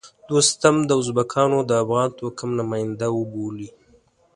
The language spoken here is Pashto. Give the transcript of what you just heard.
دوستم د ازبکو د افغان توکم نماینده وبولي.